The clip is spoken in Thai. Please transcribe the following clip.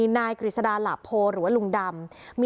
นายกริสดารหลับโพห์หรือว่าลุงดำ